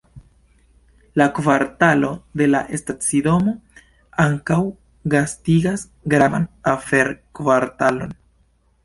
La kvartalo de la stacidomo ankaŭ gastigas gravan afer-kvartalon.